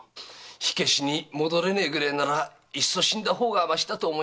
火消しに戻れねえならいっそ死んだ方がマシだと思いやして。